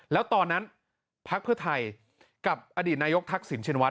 แล้วตอนนั้นพักเพื่อไทยกับอดีตนายกทักษิณชินวั